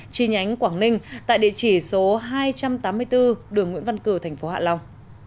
chi nhánh quảng ninh tại địa chỉ số hai trăm tám mươi bốn đường nguyễn văn cử tp hạ long